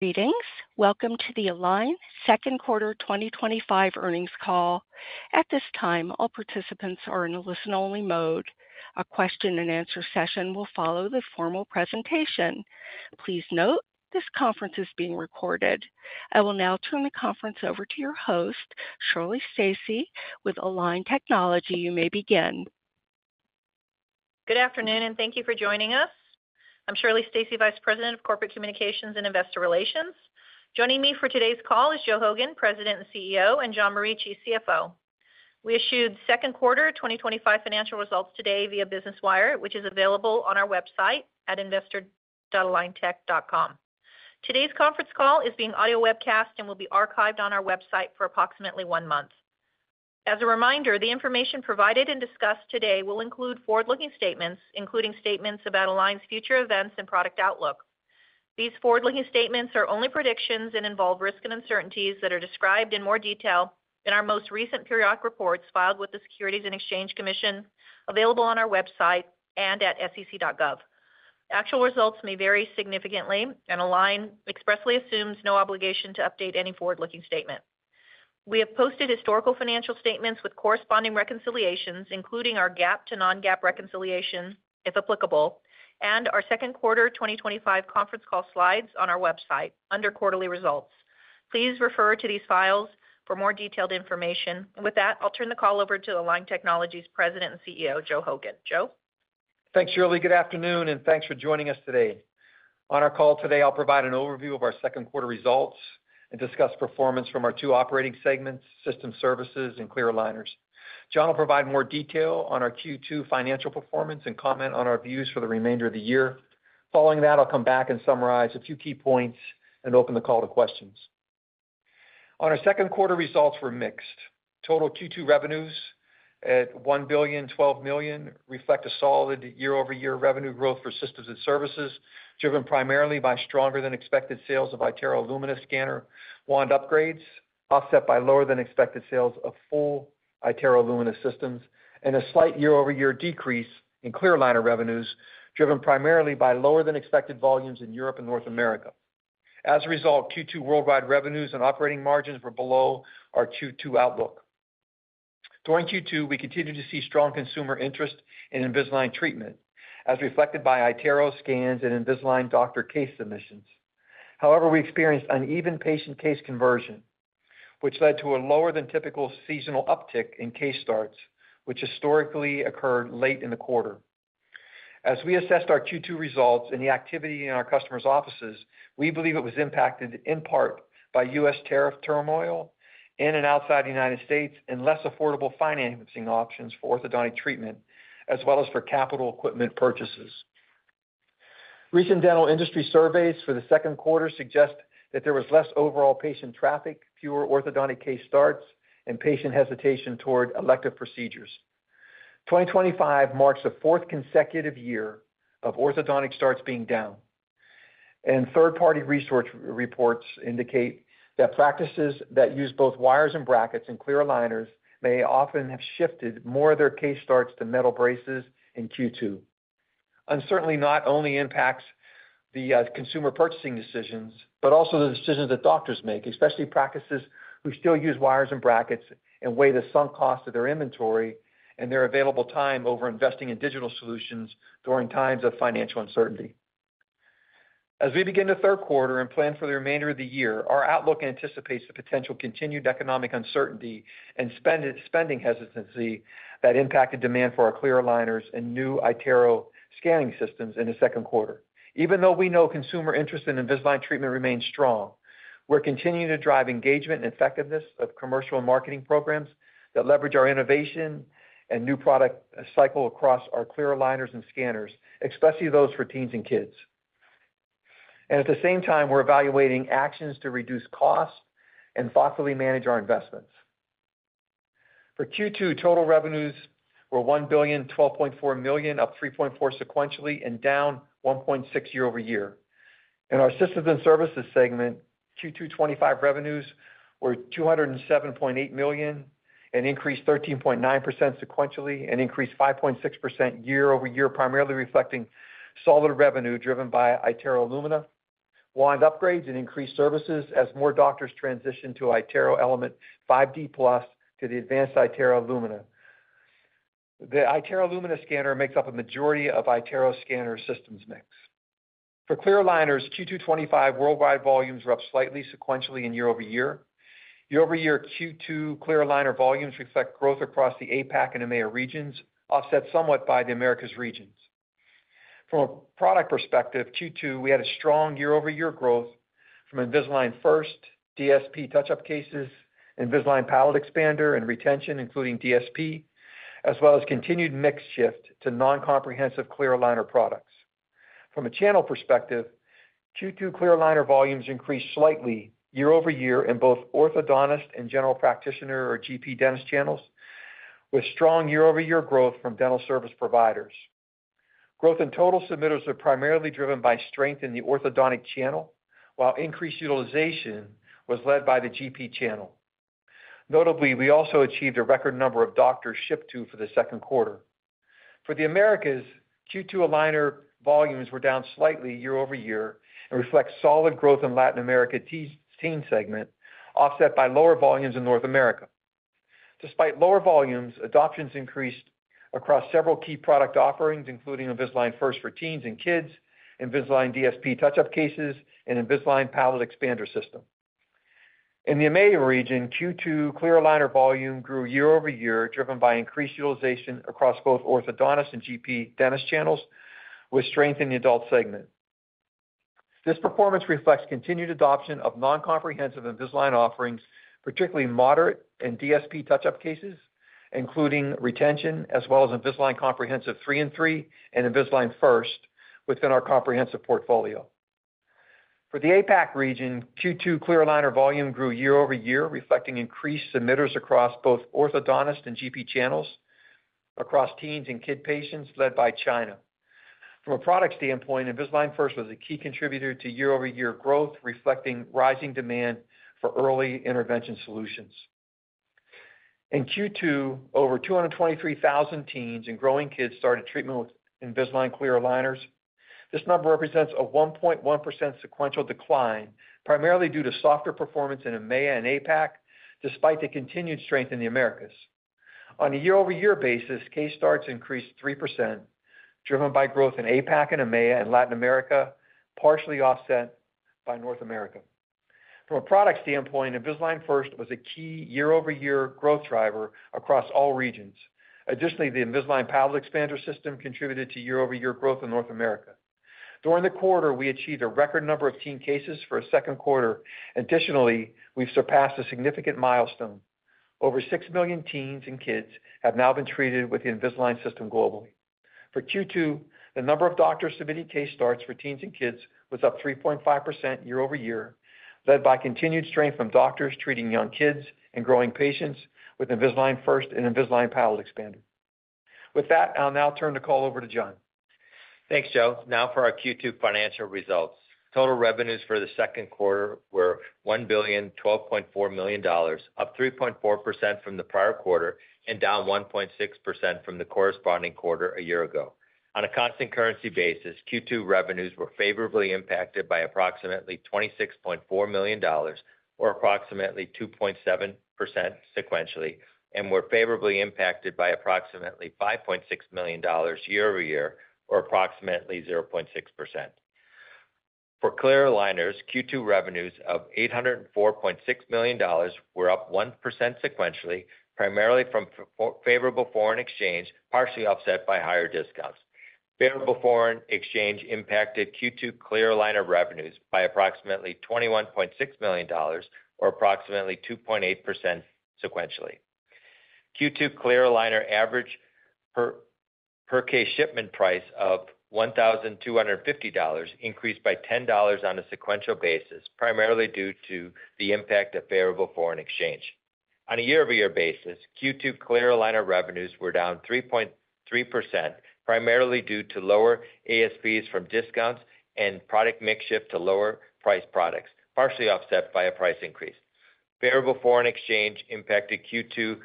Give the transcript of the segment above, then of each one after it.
Greetings. Welcome to the Align second quarter 2025 earnings call. At this time all participants are in listen only mode. A question and answer session will follow the formal presentation. Please note this conference is being recorded. I will now turn the conference over to your host, Shirley Stacy with Align Technology. You may begin. Good afternoon and thank you for joining us Shirley. I'm Shirley Stacy, Vice President of Corporate Communications and Investor Relations. Joining me for today's call is Joe Hogan, President and CEO, and John Morici, Chief Financial Officer. We issued second quarter 2025 financial results today via Business Wire, which is available on our website at investor.aligntech.com. Today's conference call is being audio webcast and will be archived on our website for approximately one month. As a reminder, the information provided and discussed today will include forward looking statements including statements about Align's future events and product outlook. These forward looking statements are only predictions and involve risks and uncertainties that are described in more detail in our most recent periodic reports filed with the Securities and Exchange Commission available on our website and at sec.gov. Actual results may vary significantly and Align expressly assumes no obligation to update any forward looking statement. We have posted historical financial statements with corresponding reconciliations including our GAAP to non-GAAP reconciliation if applicable, and our second quarter 2025 conference call slides on our website under Quarterly Results. Please refer to these files for more detailed information. With that, I'll turn the call over to Align Technology's President and CEO Joe Hogan. Joe, Thanks Shirley. Good afternoon and thanks for joining us today. On our call today I'll provide an overview of our second quarter results and discuss performance from our two operating segments, Systems and Services and Clear Aligners. John will provide more detail on our Q2 financial performance and comment on our views for the remainder of the year. Following that, I'll come back and summarize a few key points and open the call to questions. Our second quarter results were mixed. Total Q2 revenues at $1 billion $12 million reflect solid year-over-year revenue growth for Systems and Services driven primarily by stronger than expected sales of iTero Lumina scanner wand upgrades, offset by lower than expected sales of full iTero Lumina systems and a slight Year-over-year decrease in Clear Aligner revenues driven primarily by lower than expected volumes in Europe and North America. As a result, Q2 worldwide revenues and operating margins were below our Q2 outlook. During Q2 we continued to see strong consumer interest in Invisalign treatment as reflected by iTero scans and Invisalign doctor case submissions. However, we experienced uneven patient case conversion which led to a lower than typical seasonal uptick in case starts, which historically occurred late in the quarter. As we assessed our Q2 results and the activity in our customers' offices, we believe it was impacted in part by U.S. tariff turmoil in and outside the United States and less affordable financing options for orthodontic treatment as well as for capital equipment purchases. Recent dental industry surveys for the second quarter suggest that there was less overall patient traffic, fewer orthodontic case starts, and patient hesitation toward elective procedures. 2025 marks the fourth consecutive year of orthodontic starts being down and third-party research reports indicate that practices that use both wires and brackets and clear aligners may often have shifted more of their case starts to metal braces in Q2. Uncertainty not only impacts the consumer purchasing decisions but also the decisions that doctors make, especially practices who still use wires and brackets and weigh the sunk cost of their inventory and their available time over investing in digital solutions during times of financial uncertainty. As we begin the third quarter and plan for the remainder of the year, our outlook anticipates the potential continued economic uncertainty and spending hesitancy that impacted demand for our clear aligners and new iTero scanning systems in the second quarter. Even though we know consumer interest in Invisalign treatment remains strong, we're continuing to drive engagement and effectiveness of commercial and marketing programs that leverage our innovation and new product cycle across our clear aligners and scanners, especially those for teens and kids. At the same time, we're evaluating actions to reduce costs and thoughtfully manage our investments. For Q2, total revenues were $1 billion $12.4 million, up 3.4% sequentially and down 1.6% Year-over-Year. In our Systems and Services segment, Q2 2025 revenues were $207.8 million and increased 13.9% sequentially and increased 5.6% Year -over-Year, primarily reflecting solid revenue driven by iTero Lumina wand upgrades and increased services as more doctors transitioned to iTero Element 5D Plus to the advanced iTero Lumina. The iTero Lumina scanner makes up a majority of iTero scanner systems mix. For Clear Aligners, Q2 2025 worldwide volumes are up slightly sequentially and Year-over-Year. Q2 clear aligner volumes reflect growth across the APAC and EMEA regions, offset somewhat by the Americas regions. From a product perspective, in Q2 we had strong Year-over-Year growth from Invisalign First, DSP touch-up cases, Invisalign Palatal Expander, and retention including DSP, as well as continued mix shift to non-comprehensive clear aligner products. From a channel perspective, Q2 clear aligner volumes increased slightly year-over-year in both orthodontist and general practitioner or GP dentist channels, with strong year-over-year growth from dental service providers. Growth in total submitters was primarily driven by strength in the orthodontic channel, while increased utilization was led by the GP channel. Notably, we also achieved a record number of doctors shipped to for the second quarter. For the Americas, Q2 aligner volumes were down slightly Year-over-Year and reflect solid growth in the Latin America teen segment, offset by lower volumes in North America. Despite lower volumes, adoptions increased across several key product offerings including Invisalign First for teens and kids, Invisalign DSP touch-up cases, and Invisalign Palatal Expander System. In the EMEA region, Q2 clear aligner volume grew Year-over-Year driven by increased utilization across both orthodontist and GP dentist channels with strength in the adult segment. This performance reflects continued adoption of non-comprehensive Invisalign offerings, particularly Moderate and DSP touch-up cases including retention as well as Invisalign Comprehensive 3 and 3 and Invisalign First within our comprehensive portfolio. For the APAC region, Q2 clear aligner volume grew Year-over-Year reflecting increased submitters across both orthodontist and GP channels across teens and kid patients led by China. From a product standpoint, Invisalign First was a key contributor to Year-over-Year growth reflecting rising demand for early intervention solutions. In Q2, over 223,000 teens and growing kids started treatment with Invisalign clear aligners. This number represents a 1.1% sequential decline primarily due to softer performance in EMEA and APAC. Despite the continued strength in the Americas on a Year-over-Year basis, case starts increased 3% driven by growth in APAC and EMEA and Latin America, partially offset by North America. From a product standpoint, Invisalign First was a key Year-over-Year growth driver across all regions. Additionally, the Invisalign Palatal Expander System contributed to Year-over-Year growth in North America. During the quarter, we achieved a record number of teen cases for a second quarter. Additionally, we've surpassed a significant milestone. Over 6 million teens and kids have now been treated with the Invisalign System globally. For Q2, the number of doctors submitting case starts for teens and kids was up 3.5% Year-over-Year, led by continued strength from doctors treating young kids and growing patients with Invisalign First and Invisalign Palatal Expander. With that, I'll now turn the call over to John. Thanks, Joe. Now for our Q2 financial results. Total revenues for the second quarter were $1 billion $12.4 million, up 3.4% from the prior quarter and down 1.6% from the corresponding quarter a year ago on a constant currency basis. Q2 revenues were favorably impacted by approximately $26.4 million or approximately 2.7% sequentially and were favorably impacted by approximately $5.6 million Year-over-Year or approximately 0.6% for clear aligners. Q2 revenues of $804.6 million were up 1% sequentially primarily from favorable foreign exchange partially offset by higher discounts. Favorable foreign exchange impacted Q2 clear aligner revenues by approximately $21.6 million or approximately 2.8% sequentially. Q2 clear aligner average per case shipment price of $1,250 increased by $10 on a sequential basis primarily due to the impact of favorable foreign exchange on a year-over-year basis. Q2 clear aligner revenues were down 3.3% primarily due to lower ASPs from discounts and product mix shift to lower priced products, partially offset by a price increase. Variable foreign exchange impacted Q2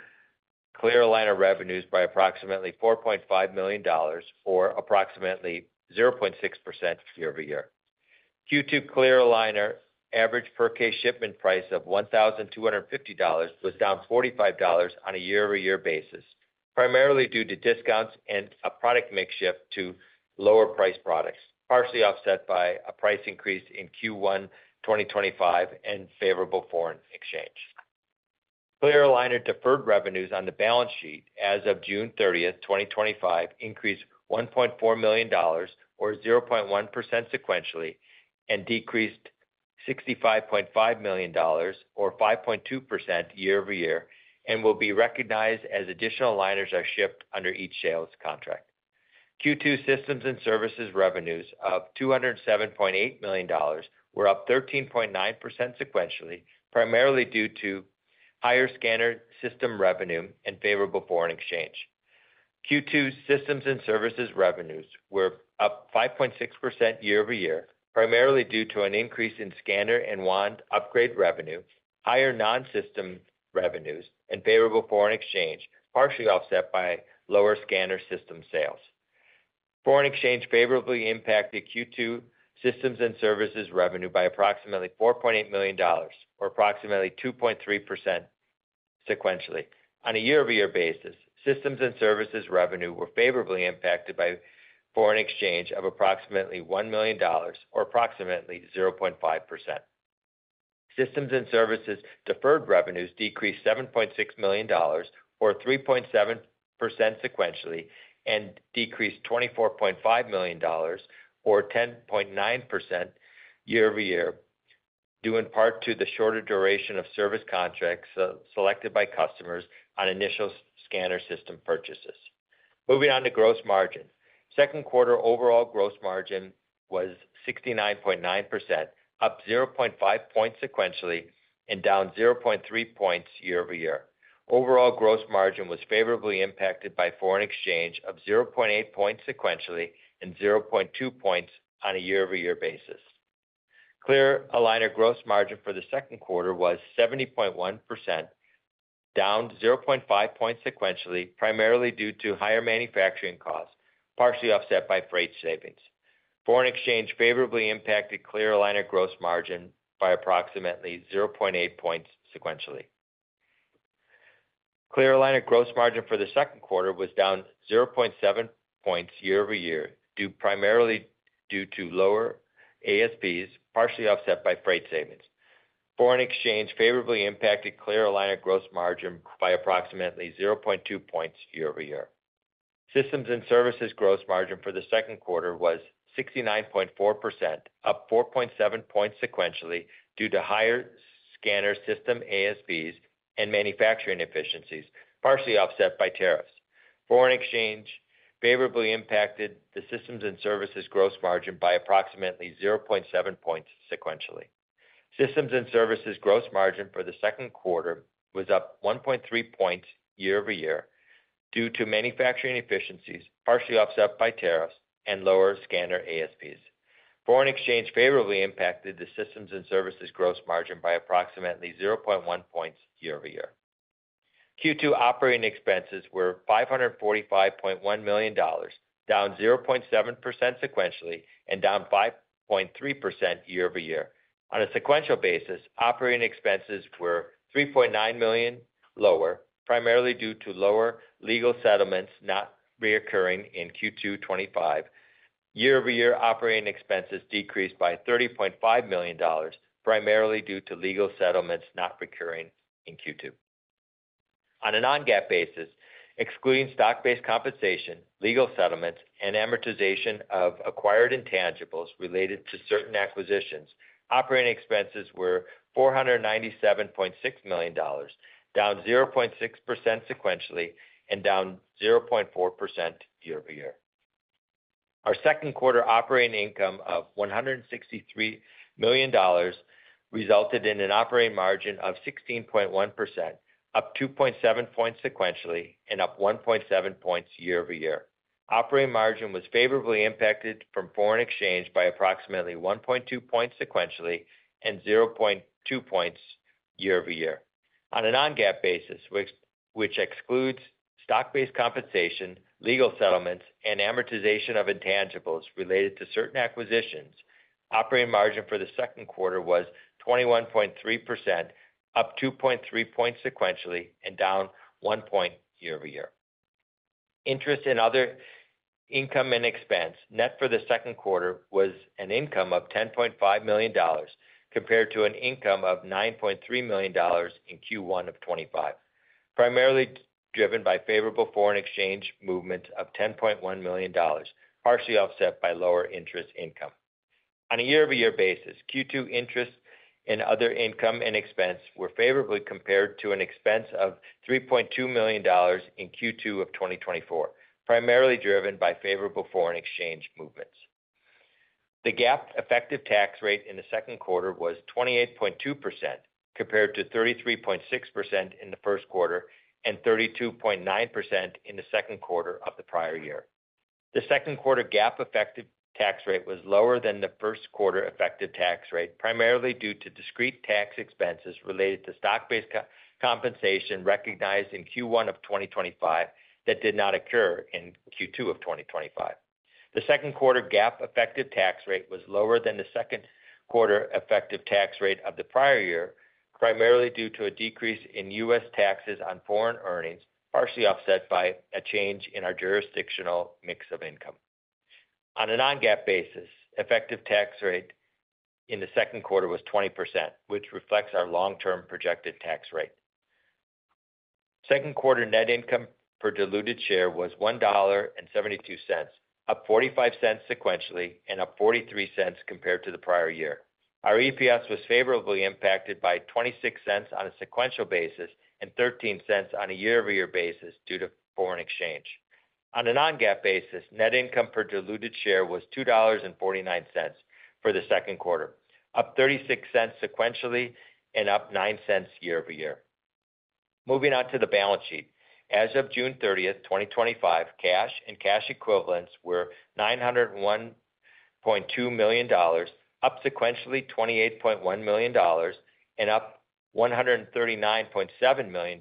clear aligner revenues by approximately $4.5 million or approximately 0.6% Year-over-Year. Q2 clear aligner average per case shipment price of $1,250 was down $45 on a Year-over-Year basis primarily due to discounts and a product mix shift to lower priced products, partially offset by a price increase in Q1 2025 and favorable foreign exchange. Clear aligner deferred revenues on the balance sheet as of June 30, 2025 increased $1.4 million or 0.1% sequentially and decreased $65.5 million or 5.2% year-over-year and will be recognized as additional aligners are shipped under each sales contract. Q2 systems and services revenues of $207.8 million were up 13.9% sequentially primarily due to higher scanner system revenue and favorable foreign exchange. Q2 systems and services revenues were up 5.6% year-over-year primarily due to an increase in scanner and wand upgrade revenue. Higher non-system revenues and favorable foreign exchange partially offset by lower scanner system sales. Foreign exchange favorably impacted Q2 systems and services revenue by approximately $4.8 million or approximately 2.3% sequentially on a year-over-year basis. Systems and services revenue were favorably impacted by foreign exchange of approximately $1 million or approximately 0.5%. Systems and Services deferred revenues decreased $7.6 million or 3.7% sequentially and decreased $24.5 million or 10.9% year-over-year due in part to the shorter duration of service contracts selected by customers on initial scanner system purchases. Moving on to gross margin, second quarter overall gross margin was 69.9%, up 0.5 percentage points sequentially and down 0.3 percentage points year-over-year. Overall gross margin was favorably impacted by foreign exchange of 0.8 percentage points sequentially and 0.2 percentage points on a year-over-year basis. Clear aligner gross margin for the second quarter was 70.1%, down 0.5 percentage points sequentially primarily due to higher manufacturing costs, partially offset by freight savings. Foreign exchange favorably impacted clear aligner gross margin by approximately 0.8 percentage points sequentially. Clear aligner gross margin for the second quarter was down 0.7 percentage points Year-over-Year primarily due to lower ASPs, partially offset by freight savings. Foreign exchange favorably impacted clear aligner gross margin by approximately 0.2 percentage points Year-over-Year. Systems and Services gross margin for the second quarter was 69.4%, up 4.7 percentage points sequentially due to higher scanner system ASPs and manufacturing efficiencies, partially offset by tariffs. Foreign exchange favorably impacted the Systems and Services gross margin by approximately 0.7 percentage points sequentially. Systems and Services gross margin for the second quarter was up 1.3 percentage points year-over-year due to manufacturing efficiencies, partially offset by tariffs and lower scanner ASPs. Foreign exchange favorably impacted the Systems and Services gross margin by approximately 0.1 percentage points year-over-year. Q2 operating expenses were $545.1 million, down 0.7% sequentially and down 5.3% year-over-year. On a sequential basis, operating expenses were $3.9 million lower primarily due to lower legal settlements not recurring in Q2 2025. Year- over-year, operating expenses decreased by $30.5 million primarily due to legal settlements not recurring in Q2. On a non-GAAP basis, excluding stock-based compensation, legal settlements, and amortization of acquired intangibles related to certain acquisitions, operating expenses were $497.6 million, down 0.6% sequentially and down 0.4% year-over-year. Our second quarter operating income of $163 million resulted in an operating margin of 16.1%, up 2.7 percentage points sequentially and up 1.7 percentage points year-over-year. Operating margin was favorably impacted from foreign exchange by approximately 1.2 percentage points sequentially and 0.2 percentage points year-over-year on a non-GAAP basis, which excludes stock-based compensation, legal settlements, and amortization of intangibles related to certain acquisitions. Operating margin for the second quarter was 21.3%, up 2.3 points sequentially and down 1 percentage point year-over-year. Interest and other income and expense, net, for the second quarter was an income of $10.5 million compared to an income of $9.3 million in Q1 of 2025, primarily driven by favorable foreign exchange movement of $10.1 million, partially offset by lower interest income on a year-over-year basis. Q2 interest and other income and expense were favorably compared to an expense of $3.2 million in Q2 of 2024, primarily driven by favorable foreign exchange movements. The GAAP effective tax rate in the second quarter was 28.2% compared to 33.6% in the first quarter and 32.9% in the second quarter of the prior year. The second quarter GAAP effective tax rate was lower than the first quarter effective tax rate primarily due to discrete tax expenses related to stock-based compensation recognized in Q1 of 2025 that did not occur in Q2 of 2025. The second quarter GAAP effective tax rate was lower than the second quarter effective tax rate of the prior year primarily due to a decrease in US taxes on foreign earnings, partially offset by a change in our jurisdictional mix of income. On a non-GAAP basis, effective tax rate in the second quarter was 20%, which reflects our long-term projected tax rate. Second quarter net income per diluted share was $1.72, up $0.45 sequentially and up $0.43 compared to the prior year. Our EPS was favorably impacted by $0.26 on a sequential basis and $0.13 on a year-over-year basis due to foreign exchange. On a non-GAAP basis, net income per diluted share was $2.49 for the second quarter, up $0.36 sequentially and up $0.09 year-over-year. Moving on to the balance sheet, as of June 30, 2025, cash and cash equivalents were $901.2 million, up sequentially $28.1 million and up $139.7 million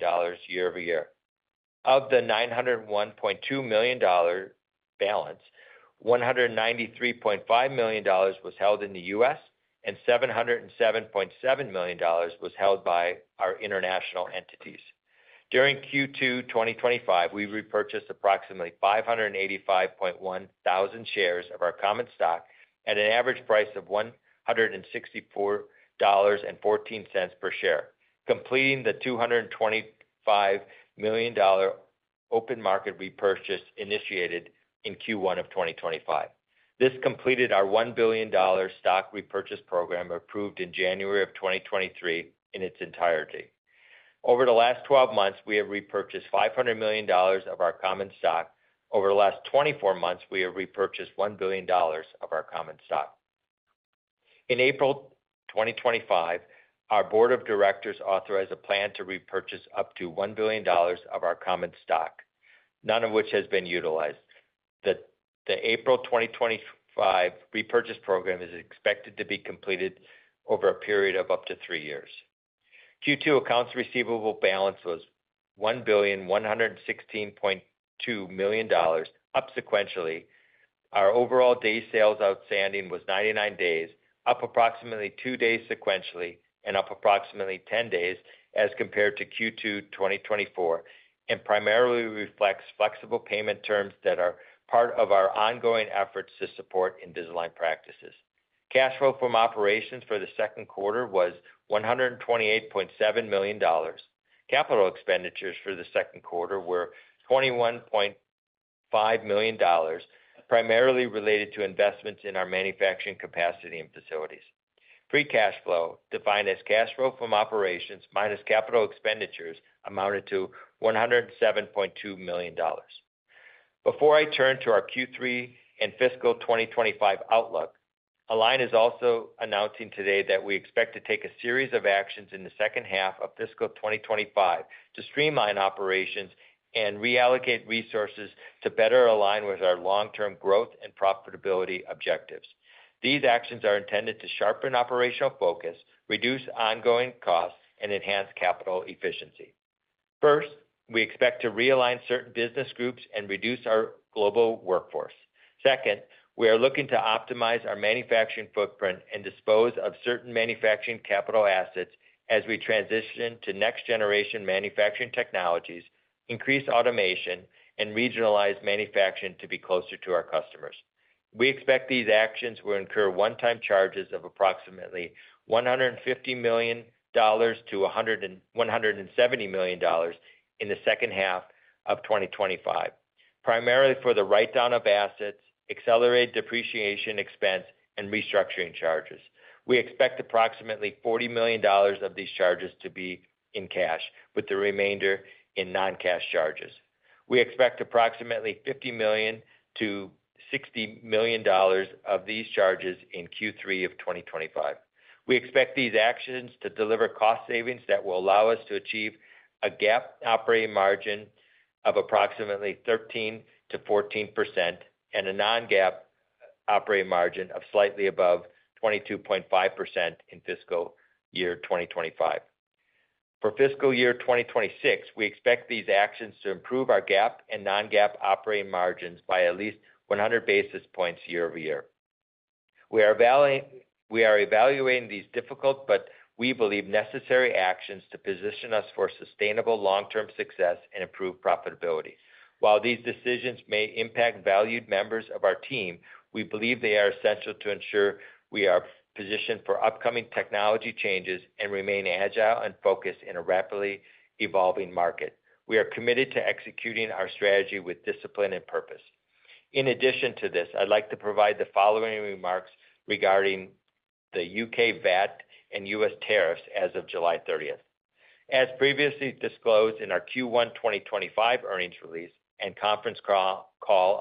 year-over-year. Of the $901.2 million balance, $193.5 million was held in the US and $707.7 million was held by our international entities. During Q2 2025, we repurchased approximately 585.1 thousand shares of our common stock at an average price of $164.14 per share, completing the $225 million open market repurchase initiated in Q1 of 2025. This completed our $1 billion stock repurchase program approved in January of 2023 in its entirety. Over the last 12 months, we have repurchased $500 million of our common stock. Over the last 24 months, we have repurchased $1 billion of our common stock. In April 2025, our Board of Directors authorized a plan to repurchase up to $1 billion of our common stock, none of which has been utilized. The April 2025 repurchase program is expected to be completed over a period of up to 3 years. Q2 accounts receivable balance was $1,116,002,000, up sequentially. Our overall days sales outstanding was 99 days, up approximately 2 days sequentially and up approximately 10 days as compared to Q2 2024 and primarily reflects flexible payment terms that are part of our ongoing efforts to support Invisalign practices. Cash flow from operations for the second quarter was $128.7 million. Capital expenditures for the second quarter were $21.5 million, primarily related to investments in our manufacturing capacity and facilities. Free cash flow, defined as cash flow from operations minus capital expenditures, amounted to $107.2 million. Before I turn to our Q3 and fiscal 2025 outlook, Align is also announcing today that we expect to take a series of actions in the second half of fiscal 2025 to streamline operations and reallocate resources to better align with our long term growth and profitability objectives. These actions are intended to sharpen operational focus, reduce ongoing costs, and enhance capital efficiency. First, we expect to realign certain business groups and reduce our global workforce. Second, we are looking to optimize our manufacturing footprint and dispose of certain manufacturing capital assets as we transition to next generation manufacturing technologies, increase automation, and regionalize manufacturing to be closer to our customers. We expect these actions will incur one-time charges of approximately $150 million-$170 million in the second half of 2025, primarily for the write down of assets, accelerated depreciation expense, and restructuring charges. We expect approximately $40 million of these charges to be in cash with the remainder in non-cash charges. We expect approximately $50 million-$60 million of these charges in Q3 of 2025. We expect these actions to deliver cost savings that will allow us to achieve a GAAP operating margin of approximately 13-14% and a non-GAAP operating margin of slightly above 22.5% in fiscal year 2025. For fiscal year 2026, we expect these actions to improve our GAAP and non-GAAP operating margins by at least 100 basis points year-over-year. We are evaluating these difficult but we believe necessary actions to position us for sustainable long-term success and improved profitability. While these decisions may impact valued members of our team, we believe they are essential to ensure we are positioned for upcoming technology changes and remain agile and focused in a rapidly evolving market. We are committed to executing our strategy with discipline and purpose. In addition to this, I'd like to provide the following remarks regarding the U.K. VAT and U.S. tariffs. As of July 30, as previously disclosed in our Q1 2025 earnings release and conference call,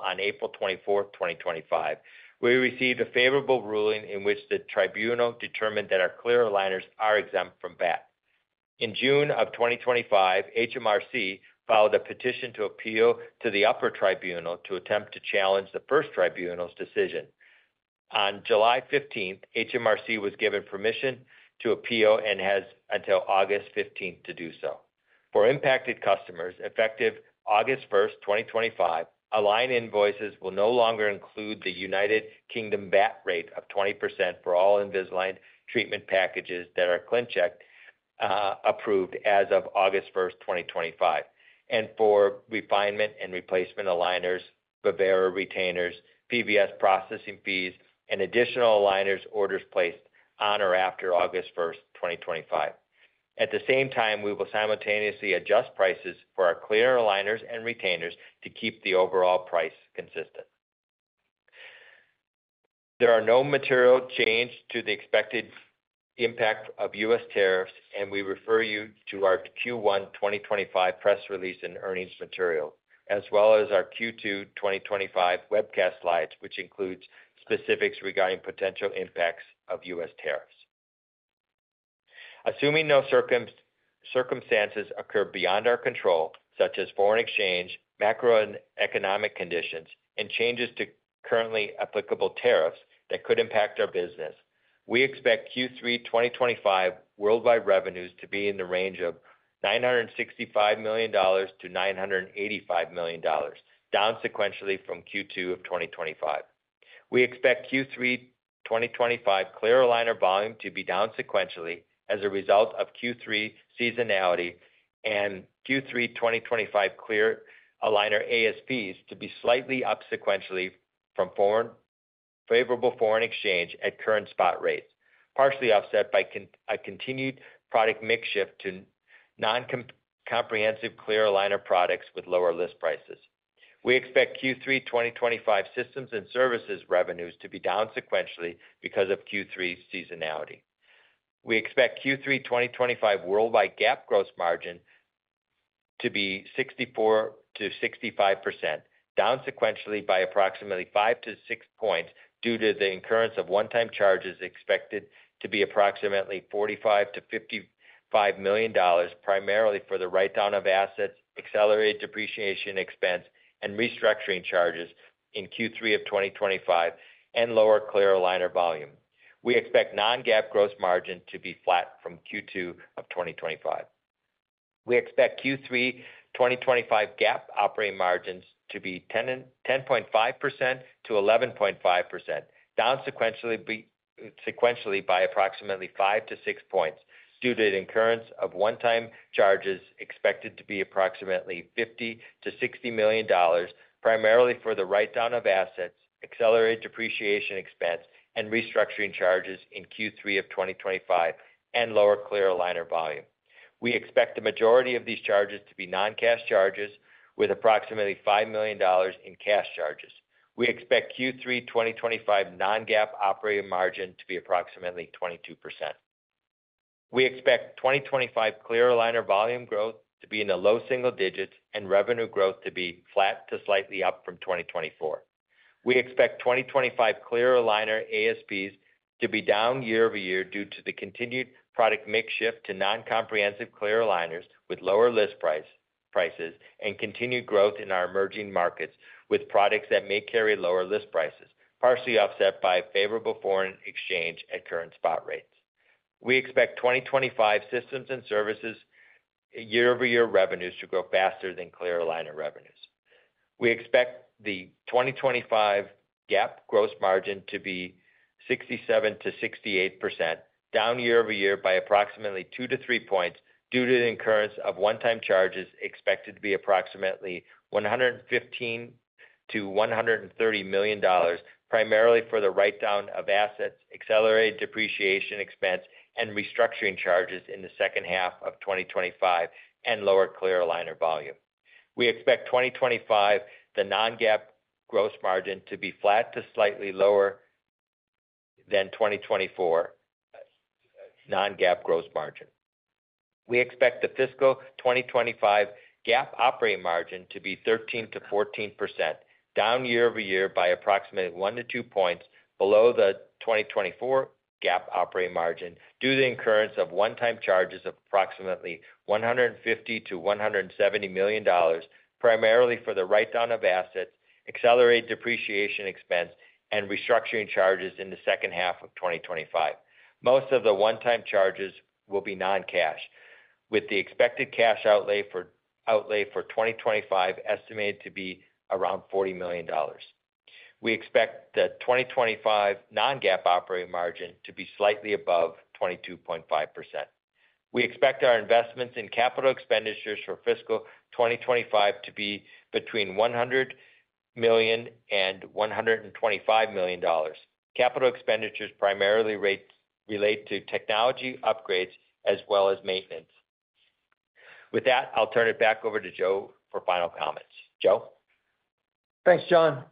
on April 24, 2025, we received a favorable ruling in which the Tribunal determined that our clear aligners are exempt from VAT. In June 2025, HMRC filed a petition to appeal to the Upper Tribunal to attempt to challenge the First Tribunal's decision. On July 15, HMRC was given permission to appeal and has until August 15 to do so for impacted customers. Effective August 1, 2025, Align invoices will no longer include the U.K. VAT rate of 20% for all Invisalign treatment packages that are approved as of August 1, 2025 and for refinement and replacement aligners, Vivera retainers, PVS processing fees, and additional aligner orders placed on or after August 1, 2025. At the same time, we will simultaneously adjust prices for our clear aligners and retainers to keep the overall price consistent. There are no material changes to the expected impact of US tariffs and we refer you to our Q1 2025 press release and earnings material, as well as our Q2 2025 webcast slides, which include specifics regarding potential impacts of US tariffs. Assuming no circumstances occur beyond our control, such as foreign exchange, macroeconomic conditions, and changes to currently applicable tariffs that could impact our business, we expect Q3 2025 worldwide revenues to be in the range of $965 million-$985 million, down sequentially from Q2 2025. We expect Q3 2025 clear aligner volume to be down sequentially as a result of Q3 seasonality, and Q3 2025 clear aligner ASPs to be slightly up sequentially from favorable foreign exchange at current spot rates, partially offset by a continued product mix shift to non-comprehensive clear aligner products with lower list prices. We expect Q3 2025 systems and services revenues to be down sequentially because of Q3 seasonality. We expect Q3 2025 worldwide GAAP gross margin to be 64%-65%, down sequentially by approximately 5-6 points due to the incurrence of one-time charges expected to be approximately $45-$55 million, primarily for the write-down of assets, accelerated depreciation expense, and restructuring charges in Q3 2025, and lower clear aligner volume. We expect non-GAAP gross margin to be flat from Q2 2025. We expect Q3 2025 GAAP operating margins to be 10.5%-11.5%, down sequentially by approximately 5-6 points due to the incurrence of one-time charges expected to be approximately $50-$60 million, primarily for the write-down of assets, accelerated depreciation expense, and restructuring charges in Q3 2025, and lower clear aligner volume. We expect the majority of these charges to be non-cash charges, with approximately $5 million in cash charges. We expect Q3 2025 non-GAAP operating margin to be approximately 22%. We expect 2025 clear aligner volume growth to be in the low single digits and revenue growth to be flat to slightly up from 2024. We expect 2025 clear aligner ASPs to be down year-over-year due to the continued product mix shift to non-comprehensive clear aligners with lower list prices and continued growth in our emerging markets with products that may carry lower list prices, partially offset by favorable foreign exchange at current spot rates. We expect 2025 systems and services year-over-year revenues to grow faster than clear aligner revenues. We expect the 2025 GAAP gross margin to be 67%-68%, down year-over-year by approximately 2-3 points. Due to the incurrence of one-time charges expected to be approximately $115-$130 million, primarily for the write-down of assets, accelerated depreciation expense, and restructuring charges in the second half of 2025, and lower clear aligner volume, we expect 2025 non-GAAP gross margin to be flat to slightly lower than 2024 non-GAAP gross margin. We expect the fiscal 2025 GAAP operating margin to be 13%-14%, down year-over-year by approximately 1-2 points below the 2024 GAAP operating margin due to incurrence of one-time charges of approximately $150-$170 million, primarily for the write-down of assets, accelerated depreciation expense, and restructuring charges in the second half of 2025. Most of the one-time charges will be non-cash, with the expected cash outlay for 2025 estimated to be around $40 million. We expect the 2025 non-GAAP operating margin to be slightly above 22.5%. We expect our investments in capital expenditures for fiscal 2025 to be between $100 million and $125 million. Capital expenditures primarily relate to technology upgrades as well as maintenance. With that, I'll turn it back over to Joe for final comments. Joe, thanks John.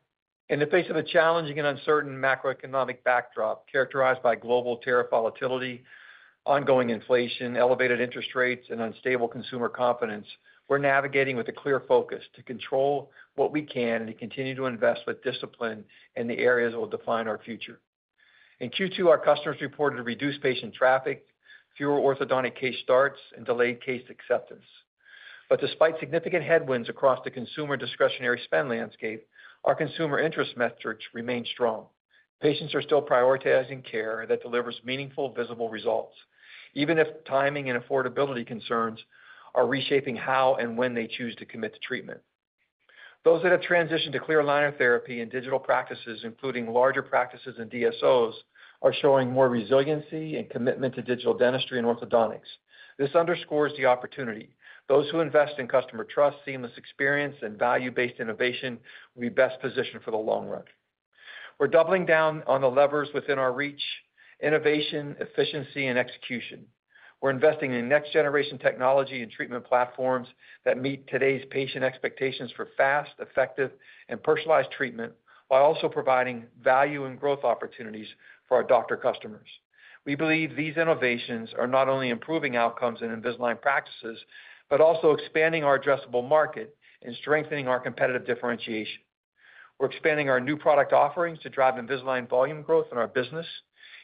In the face of a challenging and uncertain macroeconomic backdrop characterized by global tariff volatility, ongoing inflation, elevated interest rates, and unstable consumer confidence, we're navigating with a clear focus to control what we can and to continue to invest with discipline in the areas that will define our future. In Q2, our customers reported reduced patient traffic, fewer orthodontic case starts, and delayed case acceptance. Despite significant headwinds across the consumer discretionary spend landscape, our consumer interest metrics remain strong. Patients are still prioritizing care that delivers meaningful, visible results, even if timing and affordability concerns are reshaping how and when they choose to commit to treatment. Those that have transitioned to clear aligner therapy and digital practices, including larger practices and DSOs, are showing more resiliency and commitment to digital dentistry and orthodontics. This underscores the opportunity that those who invest in customer trust, seamless experience, and value-based innovation will be best positioned for the long run. We're doubling down on the levers within our reach: innovation, efficiency, and execution. We're investing in next generation technology and treatment platforms that meet today's patient expectations for fast, effective, and personalized treatment while also providing value and growth opportunities for our doctor customers. We believe these innovations are not only improving outcomes in Invisalign practices, but also expanding our addressable market and strengthening our competitive differentiation. We're expanding our new product offerings to drive Invisalign volume growth in our business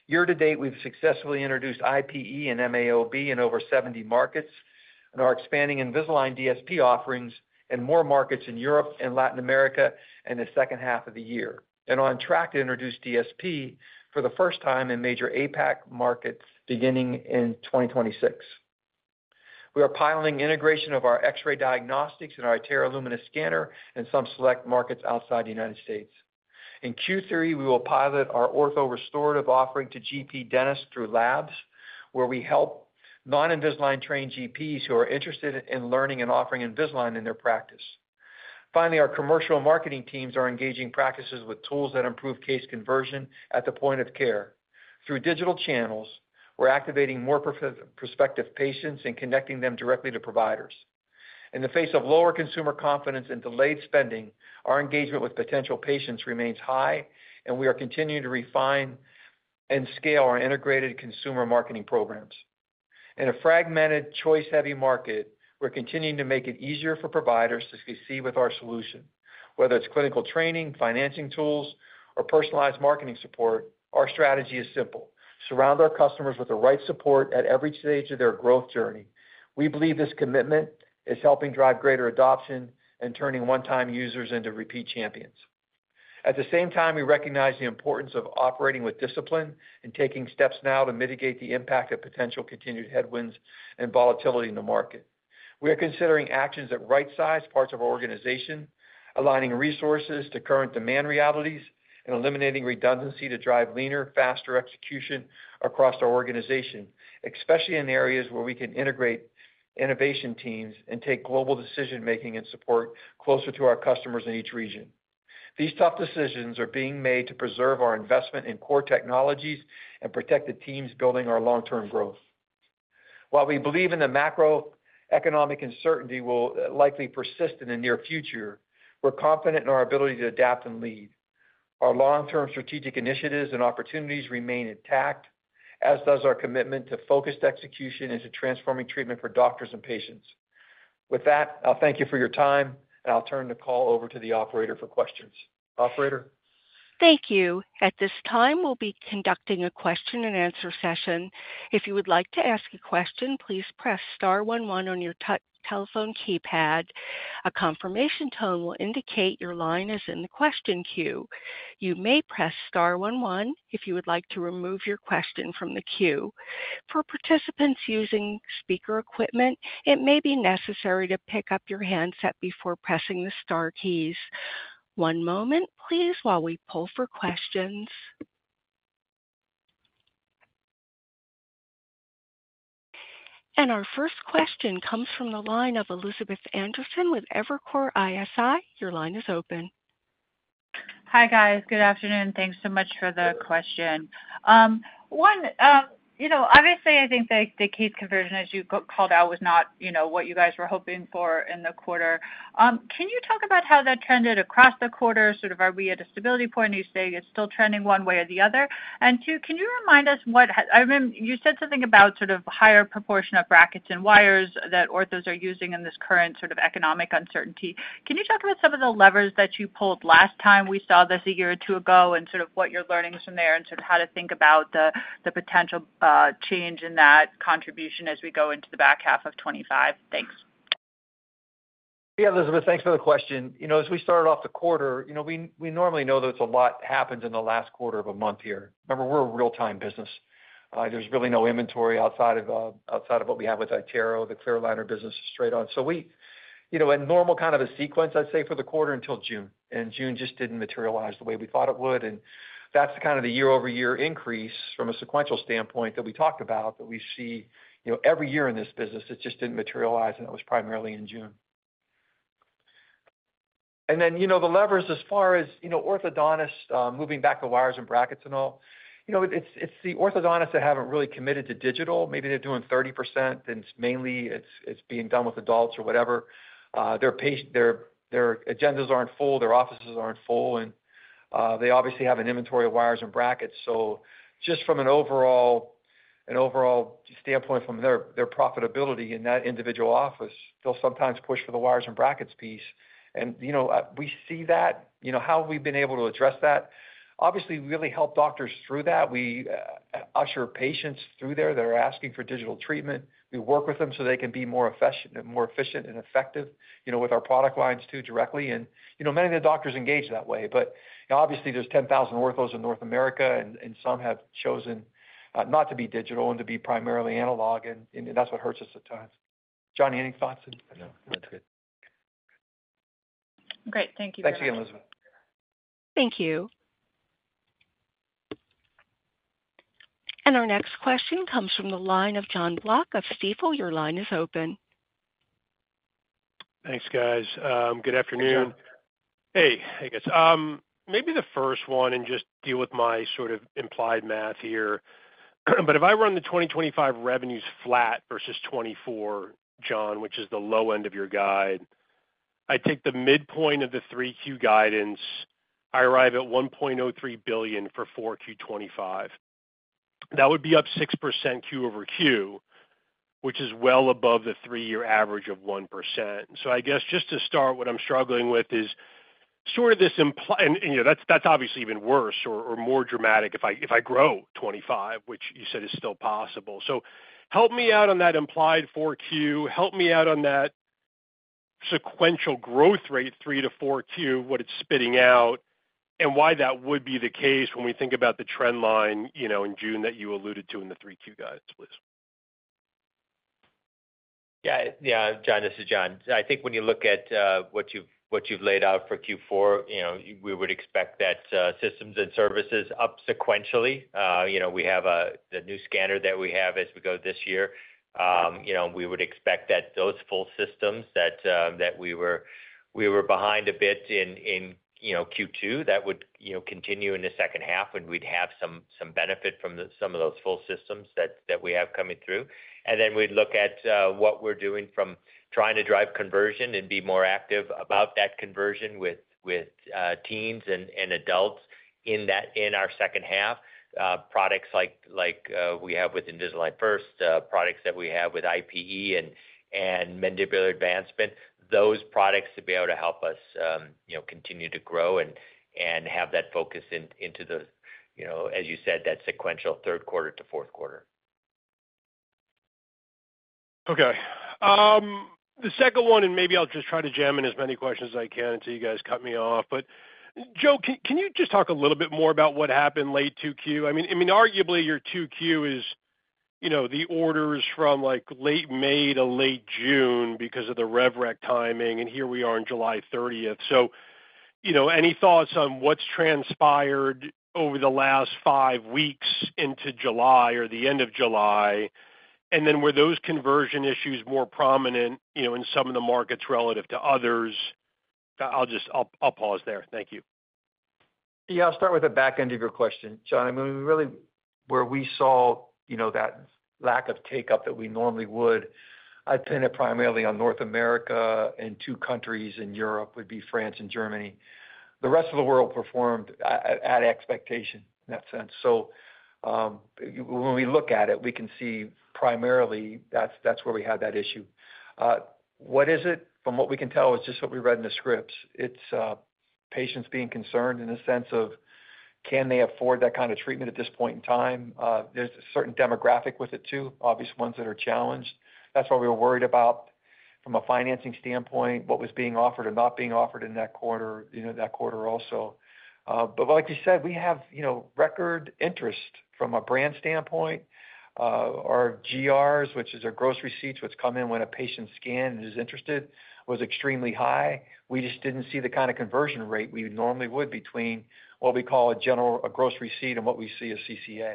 year to date. We've successfully introduced IPE and MAO in over 70 markets and are expanding Invisalign DSP offerings in more markets in Europe and Latin America in the second half of the year and on track to introduce DSP for the first time in major APAC markets beginning in 2026. We are piloting integration of our X-ray diagnostics and our iTero Lumina scanner in some select markets outside the United States. In Q3, we will pilot our ortho restorative offering to GP dentists through labs where we help non-Invisalign trained GPs who are interested in learning and offering Invisalign in their practice. Finally, our commercial marketing teams are engaging practices with tools that improve case conversion at the point of care through digital channels. We're activating more prospective patients and connecting them directly to providers in the face of lower consumer confidence and delayed spending. Our engagement with potential patients remains high and we are continuing to refine and scale our integrated consumer marketing programs in a fragmented, choice-heavy market. We're continuing to make it easier for providers to succeed with our solution, whether it's clinical training, financing tools, or personalized marketing support. Our strategy is simple: surround our customers with the right support at every stage of their growth journey. We believe this commitment is helping drive greater adoption and turning one-time users into repeat champions. At the same time, we recognize the importance of operating with discipline and taking steps now to mitigate the impact of potential continued headwinds and volatility in the market. We are considering actions that right-size parts of our organization, aligning resources to current demand realities and eliminating redundancy to drive leaner, faster execution across our organization, especially in areas where we can integrate innovation teams and take global decision-making and support closer to our customers in each region. These tough decisions are being made to preserve our investment in core technologies and protect the teams building our long-term growth. While we believe the macroeconomic uncertainty will likely persist in the near future, we're confident in our ability to adapt and lead. Our long-term strategic initiatives and opportunities remain intact, as does our commitment to focused execution and to transforming treatment for doctors and patients. With that, I'll thank you for your time and I'll turn the call over to the operator for questions. Operator, thank you. At this time we will be conducting a question and answer session. If you would like to ask a question, please press star one one on your telephone keypad. A confirmation tone will indicate your line is in the question queue. You may press star 1 1 if you would like to remove your question from the queue for participation. For participants using speaker equipment, it may be necessary to pick up your handset before pressing the star keys. One moment please while we pull for questions. Our first question comes from the line of Elizabeth Anderson with Evercore ISI. Your line is open. Hi guys, good afternoon. Thanks so much for the question. One, you know, obviously I think the case conversion as you called out was not, you know, what you guys were hoping for in the quarter. Can you talk about how that trended across the quarter? Sort of are we at a stability point? Are you saying it is still trending one way or the other? Two, can you remind us what, I mean, you said something about sort of higher proportion of brackets and wires that orthos are using in this current sort of economic uncertainty. Can you talk about some of the levers that you pulled last time we saw this a year or two ago and sort of what your learnings from there and sort of how to think about the potential change in that contribution as we go into the back half of 2025. Thanks. Yeah, Elizabeth, thanks for the question. You know, as we started off the quarter, you know, we normally know there's a lot happens in the last quarter of a month here. Remember, we're a real time business. There's really no inventory outside of what we have with iTero. The clear aligner business is straight on. So we, you know, a normal kind of a sequence I'd say for the quarter until June and June just didn't materialize the way we thought it would. That's the kind of the year-over-year increase from a sequential standpoint that we talked about that we see, you know, every year in this business. It just didn't materialize and it was primarily in June. You know, the levers as far as, you know, orthodontists moving back to wires and brackets and all, you know, it's the orthodontists that haven't really committed to digital. Maybe they're doing 30% and mainly it's being done with adults or whatever, their patient, their agendas aren't full, their offices aren't full and they obviously have an inventory of wires and brackets. Just from an overall standpoint, from their profitability in that individual office, they'll sometimes push for the wires and brackets piece. You know, we see that, you. Know, how have we been able to. Address that obviously really help doctors through that. We usher patients through there that are asking for digital treatment. We work with them so they can be more efficient and more efficient and effective, you know, with our product lines too directly. You know, many of the doctors engage that way. Obviously there's 10,000 orthos in North America and some have chosen not to be digital and to be primarily analog. That's what hurts us at times. Joni, any thoughts? Great. Thank you very much. Thanks again, Elizabeth. Thank you. Our next question comes from the line of John Block of Stifel. Your line is open. Thanks, guys. Good afternoon. Hey, I guess maybe the first one and just deal with my sort of implied math here. But if I run the 2025 revenues flat versus 2024, John, which is the low end of your guide, I take the midpoint of the 3Q guidance, I arrive at $1.03 billion for 4Q25, that would be up 6% Q over Q, which is well above the three year average of 1%. I guess just to start, what I'm struggling with is sort of this implied. That's obviously even worse or more dramatic if I grow 2025, which you said is still possible. Help me out on that implied 4Q. Help me out on that sequential growth rate 3 to 4Q what it's spitting out and why that would be the case. When we think about the trend line in June that you alluded to in the 3Q guidance. Yeah, yeah, John, this is. John, I think when you look at what you've, what you've laid out for Q4, you know, we would expect that systems and services up sequentially. You know, we have the new scanner that we have as we go this year, you know, we would expect that those full systems that we were behind a bit in Q2, that would, you know, continue in the second half and we'd have some benefit from some of those full systems that we have coming through. You know, we look at what we're doing from trying to drive conversion and be more active about that conversion with teens and adults in our second half. Products like we have with Invisalign First, products that we have with IPE and Mandibular Advancement, those products to be able to help us continue to grow and have that focus into the, you know, as you said, that sequential third quarter to fourth quarter. Okay, the second one. Maybe I'll just try to jam in as many questions as I can until you guys cut me off. Joe, can you just talk a little bit more about what happened late 2Q? I mean, arguably your 2Q is, you know, the orders from late May to late June because of the rev rec timing. Here we are on July 30. Any thoughts on what's transpired over the last five weeks into July or the end of July? Were those conversion issues more prominent in some of the markets relative to others? I'll just pause there. Thank you. Yeah, I'll start with the back end of your question, John. Really where we saw that lack of take up that we normally would, I'd pin it primarily on North America. Two countries in Europe would be France and Germany. The rest of the world performed at expectation in that sense. When we look at it, we can see primarily that's where we had that issue. What is it? From what we can tell, it's just what we read in the scripts. It's patients being concerned in a sense of can they afford that kind of treatment at this point in time. There's a certain demographic with it too, obvious ones that are challenged. That's why we were worried about, from a financing standpoint, what was being offered or not being offered in that quarter also. Like you said, we have record interest from a brand standpoint. Our GRS, which is our gross receipts, which come in when a patient is scanned and is interested, was extremely high. We just didn't see the kind of conversion rate we normally would between what we call a general gross receipt and what we see, a CCA.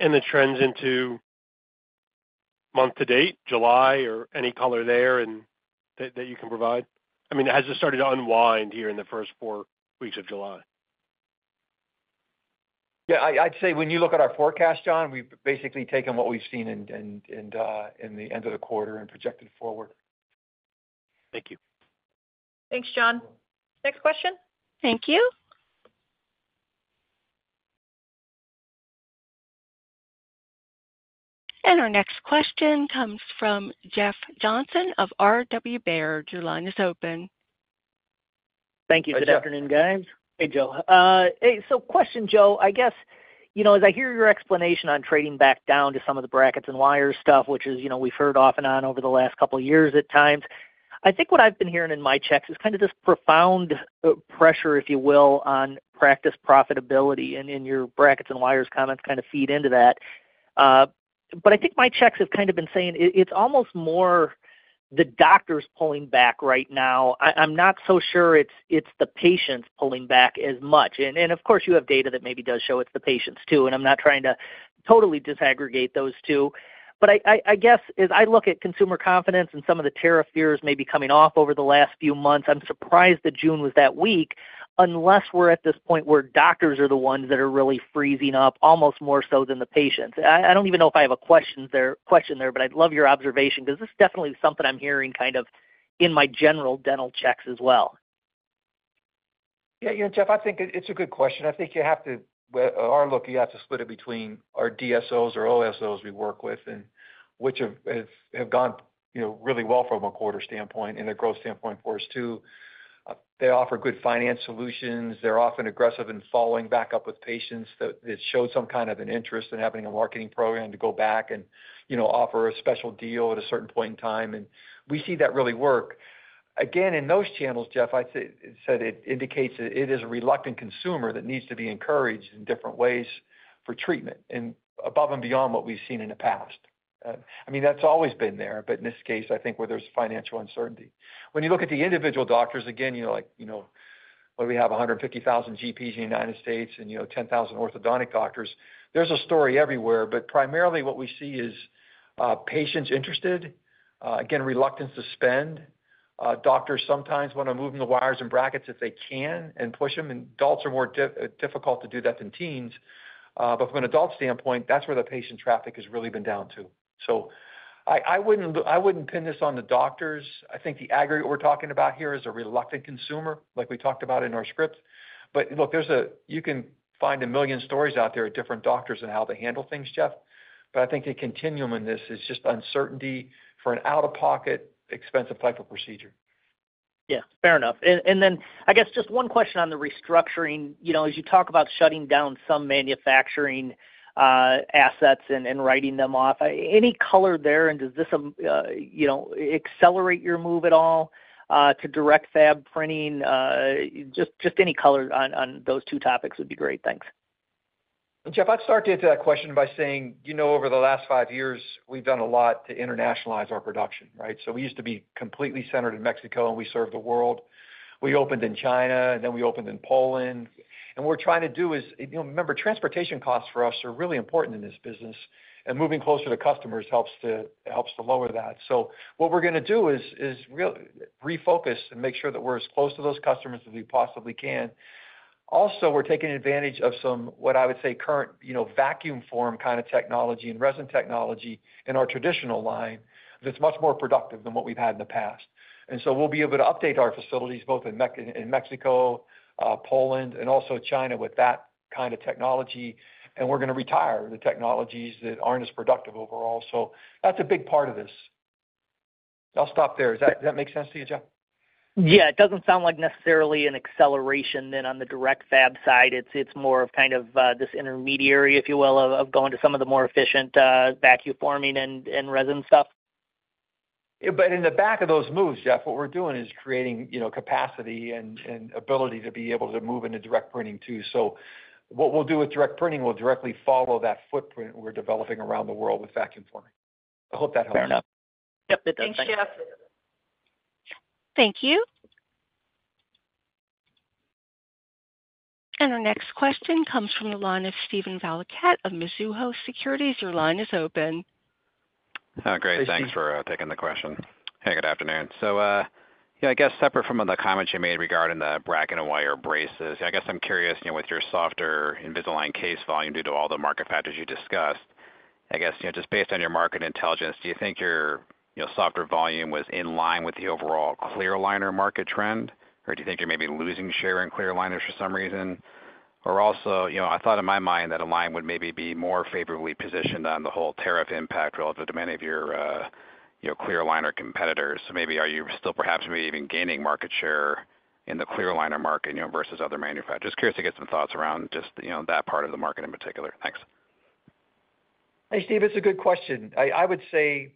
The trends into month to date, July, or any color there that you can provide. Has it started to unwind here in the first four weeks of July? Yeah, I'd say when you look at our forecast, John, we've basically taken what we've seen in the end of the quarter and projected forward. Thank you. Thanks, John. Next question. Thank you. Our next question comes from Jeff Johnson of R.W. Baird. Your line is open. Thank you. Good afternoon, guys. Hey, Joe. So question, Joe. I guess, you know, as I hear your explanation on trading back down to some of the brackets and wire stuff, which is, you know, we've heard off and on over the last couple years at times. I think what I've been hearing in my checks is kind of this profound pressure, if you will, on practice profitability. Your brackets and wires comments kind of feed into that. I think my checks have kind of been saying it's almost more the doctors pulling back. Right now I'm not so sure it's the patients pulling back as much. Of course you have data that maybe does show it's the patients too. I'm not trying to totally disaggregate those two, but I guess as I look at consumer confidence and some of the tariff fears may be coming off over the last few months, I'm surprised that June was that weak. Unless we're at this point where doctors are the ones that are really freezing up, almost more so than the patients. I don't even know if I have a question there, but I'd love your observation because this is definitely something I'm hearing kind of in my general dental checks as well. Yeah, Jeff, I think it's a good question. I think you have to. Our look, you have to split it between our DSOs or OSOs we work with, and which have gone really well from a quarter standpoint and a growth standpoint for us too. They offer good finance solutions. They're often aggressive in following back up with patients that showed some kind of an interest in having a marketing program to go back and, you know, offer a special deal at a certain point in time. We see that really work again in those channels, Jeff. I'd say it indicates that it is a reluctant consumer that needs to be encouraged in different ways for treatment and above and beyond what we've seen in the past. I mean, that's always been there. In this case, I think where there's financial uncertainty, when you look at the individual doctors, again, you know, like, you know, what do we have, 150,000 GPs in the United States and, you know, 10,000 orthodontic doctors. There's a story everywhere. Primarily what we see is patients interested, again, reluctance to spend, doctors sometimes when I'm moving the wires and brackets if they can and push them. Adults are more difficult to do that than teens. From an adult standpoint, that's where the patient traffic has really been down to. I wouldn't pin this on the doctors. I think the aggregate we're talking about here is a reluctant consumer like we talked about in our script. Look, you can find a million stories out there at different doctors and how they handle things, Jeff. I think the continuum in this is just uncertainty for an out of pocket, expensive type of procedure. Yeah, fair enough. I guess just one question on the restructuring, you know, as you talk about shutting down some manufacturing assets and writing them off, any color there, and does this, you know, accelerate your move at all to direct fab printing? Just any color on those two topics would be great. Thanks, Jeff. I'd start to answer that question by saying, you know, over the last five years, we've done a lot to internationalize our production, right? We used to be completely centered in Mexico and we served the world. We opened in China and then we opened in Poland. What we're trying to do is, you know, remember, transportation costs for us are really important in this business. Moving closer to customers helps too. It helps to lower that. What we're going to do is really refocus and make sure that we're as close to those customers as we possibly can. Also, we're taking advantage of some, what I would say, current, you know, vacuum form kind of technology and resin technology in our traditional line that's much more productive than what we've had in the past. We'll be able to update our facilities both in Mexico, Poland and also China with that kind of technology. We're going to retire the technologies that aren't as productive overall. That's a big part of this. I'll stop there. Does that make sense to you, Joe? Yeah. It doesn't sound like necessarily an acceleration. On the direct fab side, it's more of kind of this intermediary, if you will, of going to some of the more efficient vacuum forming and resin stuff. In the back of those moves, Jeff, what we're doing is creating, you know, capacity and ability to be able to move into direct printing too. What we'll do with direct printing will directly follow that footprint we're developing around the world with vacuum forming. I hope that helped. Fair enough. Yep, it does. Thanks, Jeff. Thank you. Our next question comes from the line of Stephen Valakat of Mizuho Securities. Your line is open. Oh, great. Thanks for taking the question. Hey, good afternoon. I guess separate from the comments you made regarding the bracket and wire braces, I guess I'm curious, with your softer Invisalign case volume due to all the market patterns you discussed, I guess just based on your market intelligence, do you think your softer volume was in. Line with the overall clear aligner market trend? Or do you think you're maybe losing? Share in clear aligners for some reason? Or also I thought in my mind. That Align would maybe be more favorably. Positioned on the whole tariff impact relative to many of your clear aligner competitors, maybe, are you still perhaps, maybe even gaining market share in the clear aligner. Market vs other manufacturers. Curious to get some thoughts around just. That part of the market in particular. Thanks. Hey, Steve, it's a good question. I would say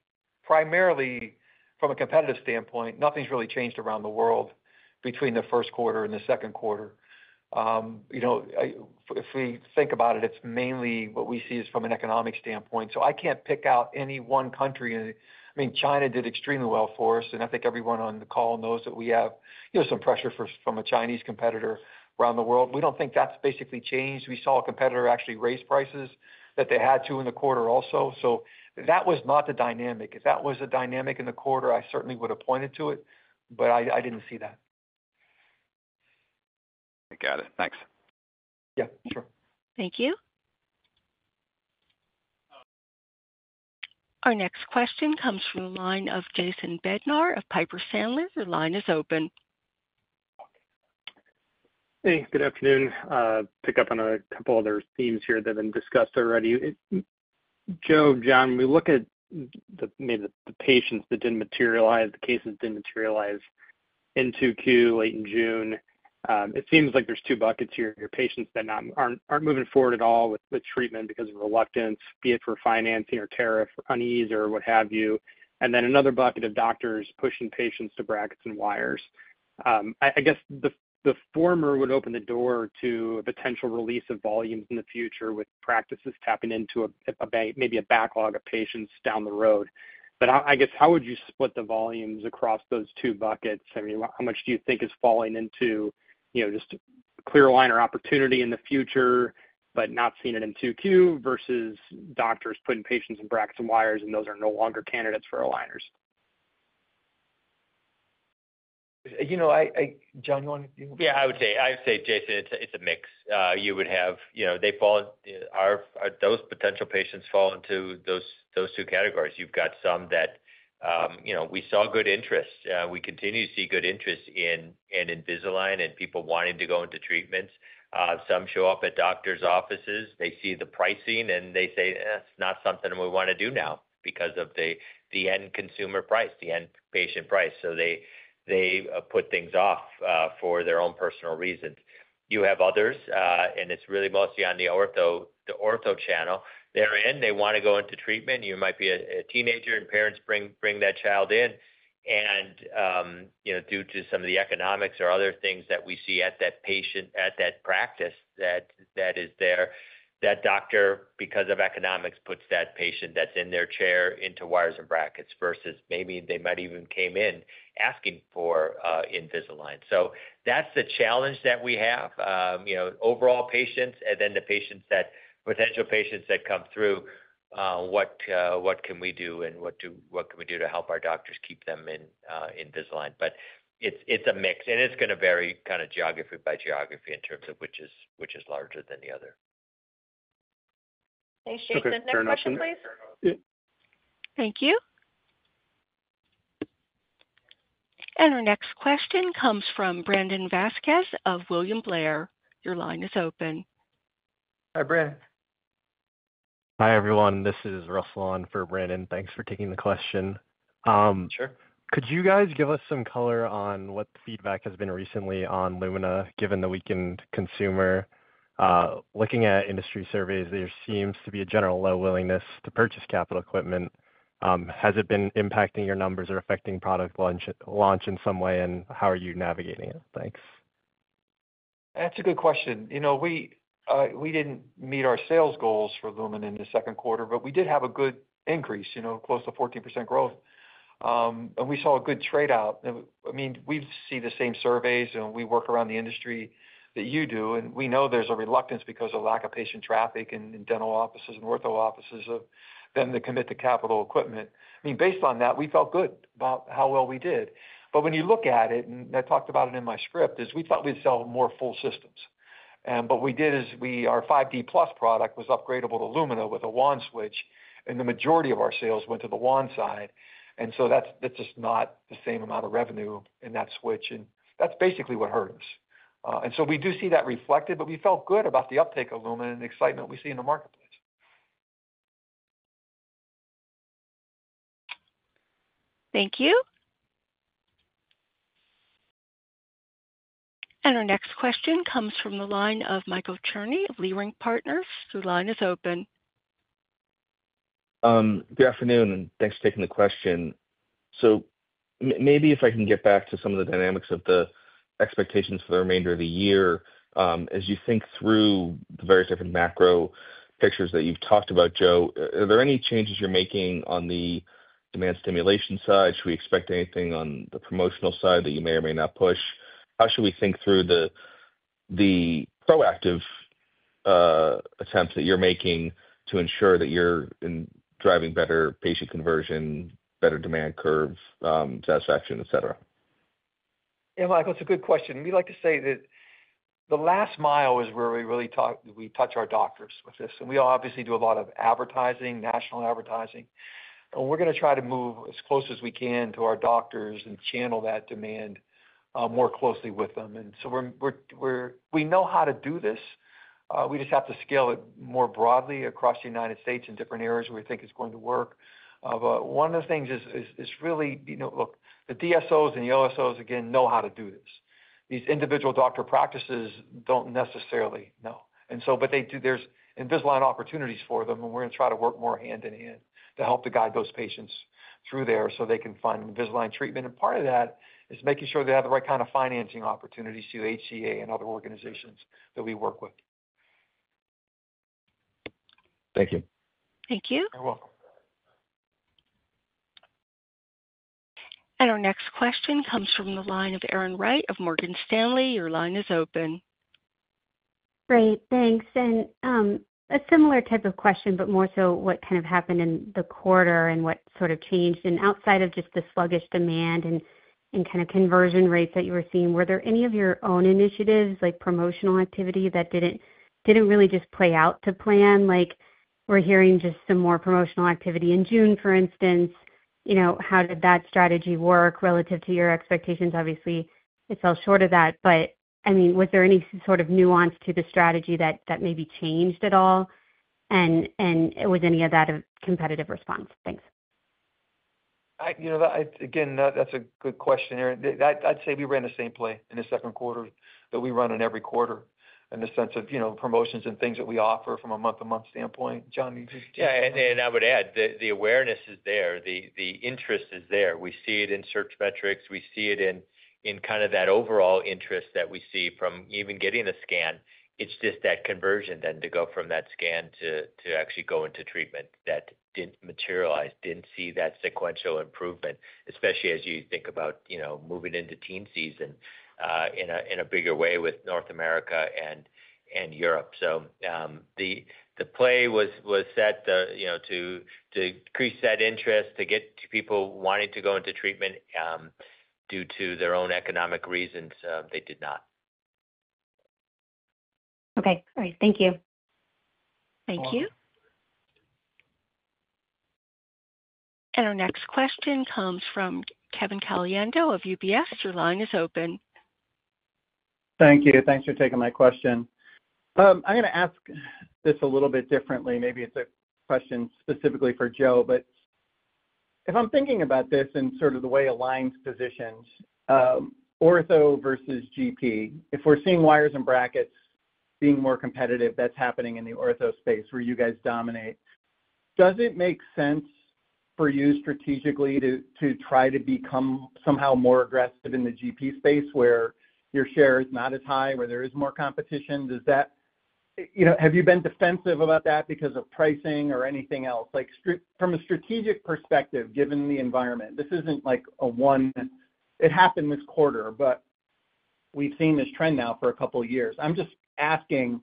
primarily from a competitive standpoint. Nothing's really changed around the world between the first quarter and the second quarter. You know, if we think about it, it's mainly what we see is from an economic standpoint. I can't pick out any one country. I mean, China did extremely well for us and I think everyone on the call knows that we have some pressure from a Chinese competitor around the world. We don't think that's basically changed. We saw a competitor actually raise prices that they had to in the quarter also. That was not the dynamic. If that was a dynamic in the quarter, I certainly would have pointed to it, but I didn't see that. I got it. Thanks. Yeah, sure. Thank you. Our next question comes from the line of Jason Bednar of Piper Sandler. Your line is open. Hey, good afternoon. Pick up on a couple other themes here that have been discussed already. Joe. John, we look at the patients that. Didn't materialize, the cases didn't materialize in 2Q late in June. It seems like there's two buckets here, your patients that aren't moving forward at all with treatment because of reluctance, be it for financing or tariff unease or what have you. Then another bucket of doctors pushing patients to brackets and wires. I guess the former would open the door to a potential release of volumes in the future with practices tapping into maybe a backlog of patients down the road. I guess how would you split the volumes across those two buckets? How much do you think is falling into just clear aligner opportunity in the future, but not seeing it in 2Q versus doctors putting patients in brackets and wires, and those are no longer candidates for aligners. You know, I. John Yeah, I would. Jason, it's a mix. You would have, you know, they fall, those potential patients fall into those two categories. You've got some that, you know, we saw good interest, we continue to see good interest in Invisalign and people wanting to go into treatments. Some show up at doctor's offices, they see the pricing and they say that's not something we want to do now because of the end consumer price, the end patient price. So they put things off for their own personal reasons. You have others, and it's really mostly on the ortho channel. They're in, they want to go into treatment. You might be a teenager and parents bring that child in and, you know, due to some of the economics or other things that we see at that patient at that practice that is there, that doctor, because of economics, puts that patient that's in their chair into wires and brackets versus maybe they might even came in asking for Invisalign. That's the challenge that we have, you know, overall patients and then the patients, that potential patients that come through, what can we do and what do you, what can we do to help our doctors keep them Invisalign? It's a mix and it's going to vary kind of geography by geography in terms of which is larger than the other. Thanks, Jason. Next question, please. Thank you. Our next question comes from Brandon Vazquez of William Blair. Your line is open. Hi, Brandon. Hi, everyone. This is Russell on for Brandon. Thanks for taking the question. Sure. Could you guys give us some color on what feedback has been recently on Lumina? Given the weakened consumer looking at industry. Surveys, there seems to be a general low willingness to purchase capital equipment. Has it been impacting your numbers? Affecting product launch in some way? How are you navigating it? Thanks. That's a good question. You know, we didn't meet our sales goals for Lumen in the second quarter, but we did have a good increase, you know, close to 14% growth. And we saw a good trade out. I mean, we see the same surveys and we work around the industry that you do, and we know there's a reluctance because of lack of patient traffic in dental offices and ortho offices of them to commit to capital equipment. I mean, based on that, we felt good about how well we did. When you look at it, and I talked about it in my script, we thought we'd sell more full systems. What we did is our 5D Plus product was upgradable to Lumen with a WAN switch, and the majority of our sales went to the WAN side. That's just not the same amount of revenue in that switch, and that's basically what hurt us. We do see that reflected, but we felt good about the uptake of Lumen and the excitement we see in the marketplace. Thank you. Our next question comes from the line of Michael Cherny, Lee Ring Partners. Your line is open. Good afternoon, and thanks for taking the question. Maybe if I can get back to some of the dynamics of the expectations for the remainder of the year, as you think through the various different macro pictures that you've talked about, Joe, are there any changes you're making on the demand stimulation side? Should we expect anything on the promotional side that you may or may not push? How should we think through the proactive attempts that you're making to ensure that you're driving better patient conversion, better demand curves, satisfaction, et cetera? Yeah, Michael, it's a good question. We like to say that the last mile is where we really talk. We touch our doctors with this, and we obviously do a lot of advertising, national advertising, and we're going to try to move as close as we can to our doctors and channel that demand more closely with them. We know how to do this. We just have to scale it more broadly across the United States in different areas where we think it's going to work. One of the things is really, look, the DSOs and the OSOs, again, know how to do this. These individual doctor practices don't necessarily know. They do. There's Invisalign opportunities for them. We're going to try to work more hand in hand to help to guide those patients through there so they can find Invisalign treatment. Part of that is making sure they have the right kind of financing opportunities through HCA and other organizations that we work with. Thank you. Thank you. You're welcome. Our next question comes from the line of Erin Wright of Morgan Stanley. Your line is open. Great, thanks. A similar type of question, but more so, what kind of happened in the quarter and what sort of changed? Outside of just the sluggish demand and kind of conversion rates that you were seeing, were there any of your own initiatives, like promotional activity that did not really just play out to plan like we are hearing? Just some more promotional activity in June, for instance? You know, how did that strategy work relative to your expectations? Obviously, it fell short of that. I mean, was there any sort of nuance to the strategy that maybe changed at all? Was any of that a competitive response? Thanks. You know, again, that's a good question. I'd say we ran the same play in the second quarter that we run in every quarter in the sense of, you know, promotions and things that we offer from a month to month standpoint. John? Yeah, I would add the awareness is there, the interest is there. We see it in search metrics. We see it in, in kind of that overall interest that we see from even getting a scan. It's just that conversion then to go from that scan to actually go into treatment that didn't materialize, didn't see that sequential improvement, especially as you think about moving into teen season in a bigger way with North America and Europe. The play was set to increase that interest to get people wanting to go into treatment due to their own economic reasons. They did not. Okay. All right. Thank you. Thank you. Our next question comes from Kevin Caliendo of UBS. Your line is open. Thank you. Thanks for taking my question. I'm going to ask this a little bit differently. Maybe it's a question specifically for Joe, but if I'm thinking about this and sort of the way Align's positions, ortho versus GP. If we're seeing wires and brackets being more competitive, that's happening in the ortho space where you guys dominate. Does it make sense for you strategically to try to become somehow more aggressive in the GP space where your share is not as high, where there is more competition? Does that, you know, have you been defensive about that because of pricing or anything else? Like, from a strategic perspective, given the environment, this isn't like a one. It happened this quarter, but we've seen this trend now for a couple years. I'm just asking,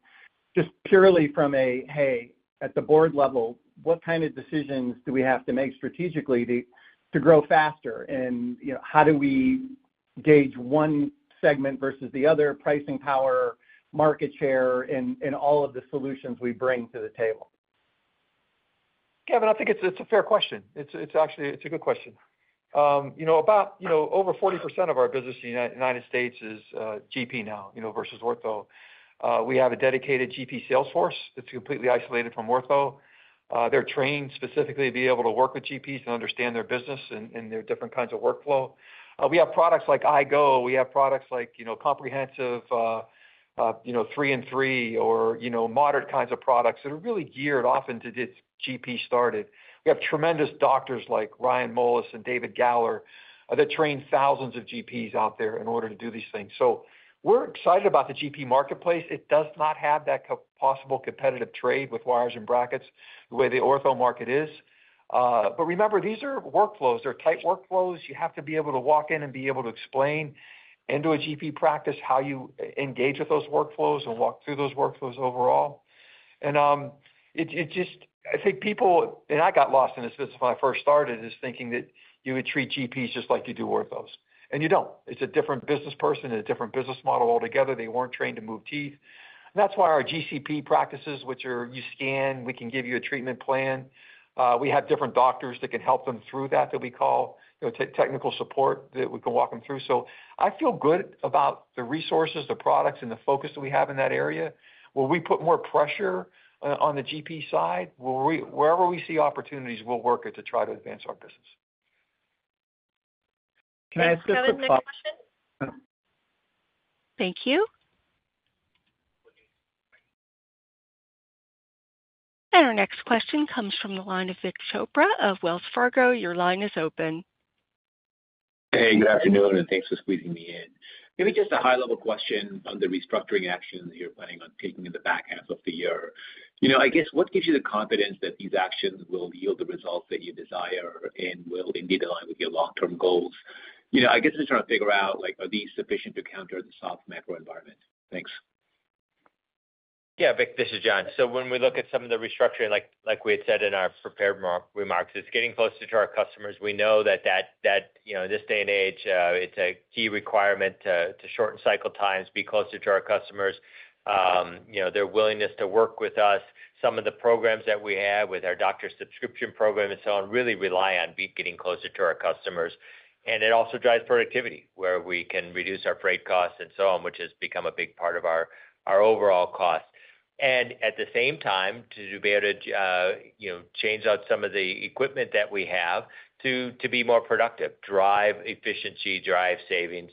just purely from a, hey, at the board level, what kind of decisions do we have to make strategically to grow faster and how do we gauge one segment versus the other? Pricing power, market share in all of the solutions we bring to the table? Kevin, I think it's a fair question. It's actually, it's a good question. You know, about, you know, over 40% of our business in United States is GP now, you know, versus ortho. We have a dedicated GP salesforce that's completely isolated from ortho. They're trained specifically to be able to work with GPs and understand their business and their different kinds of workflow. We have products like iGo, we have products like, you know, Comprehensive, you know, three and three, or, you know, modern kinds of products that are really geared often to get GP started. We have tremendous doctors like Ryan Mollus and David Galler that train thousands of GPs out there in order to do these things. So we're excited about the GP marketplace. It does not have that possible competitive trade with wires and brackets the way the ortho market is. Remember, these are workflows. They're tight workflows. You have to be able to walk in and be able to explain into a GP practice how you engage with those workflows and walk through those workflows overall. I think people and I got lost in this business when I first started is thinking that you would treat GPs just like you do orthos and you don't. It's a different business person and a different business model altogether. They weren't trained to move teeth. That's why our GCP practices, which are you scan, we can give you a treatment plan. We have different doctors that can help them through that, that we call, you know, technical support that we can walk them through. I feel good about the resources, the products and the focus that we have in that area. Will we put more pressure on the GP side? Wherever we see opportunities, we'll work it to try to advance our business. Thank you. Our next question comes from the line of Vik Chopra of Wells Fargo. Your line is open. Hey, good afternoon and thanks for squeezing me in. Maybe just a high level question on the restructuring action you're planning on taking in the back half of the year. You know, I guess what gives you the confidence that these actions will yield the results that you desire and will indeed align with your long term goals? You know, I guess I'm just trying to figure out like, are these sufficient to counter the soft macro environment? Thanks. Yeah, Vic, this is John. When we look at some of the restructuring, like we had said in our prepared remarks, it's getting closer to our customers. We know that in this day and age, it's a key requirement to shorten cycle times, be closer to our customers. Their willingness to work with us, some of the programs that we have with our doctor subscription program and so on, really rely on getting closer to our customers. It also drives productivity where we can reduce our freight costs and so on, which has become a big part of our overall cost. At the same time, to be able to, you know, change out some of the equipment that we have to be more productive, drive efficiency, drive savings,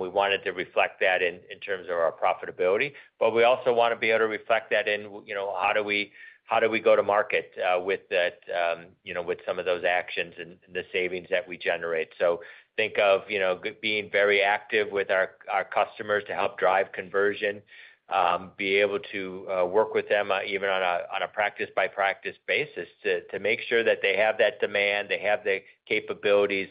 we wanted to reflect that in terms of our profitability. We also want to be able to reflect that in, you know, how do we go to market with that, you know, with some of those actions and the savings that we generate. Think of, you know, being very active with our customers to help drive conversion, be able to work with them even on a practice by practice basis to make sure that they have that demand, they have the capabilities,